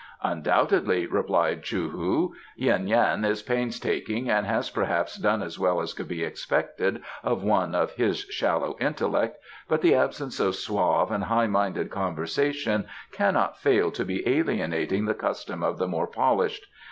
"Undoubtedly," replied Chou hu. "Yuen Yan is painstaking, and has perhaps done as well as could be expected of one of his shallow intellect, but the absence of suave and high minded conversation cannot fail to be alienating the custom of the more polished.